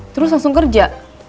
terus langsung kerja